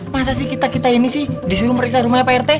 masa sih kita kita ini sih disuruh meriksa rumahnya pak rt